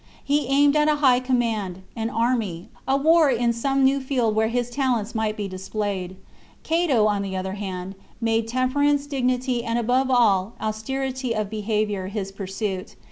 He aimed at a high command, an army, a war in some new field where his talents might be displayed. Cato, on the other hand, made THE CONSPIRACY OF CATILINE. CHAP, temperance, dignity, and, above all, austerity of beha viour, his pursuit.